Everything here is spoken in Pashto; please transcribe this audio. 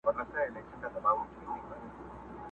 دا د پنځو زرو کلونو کمالونو کیسې.!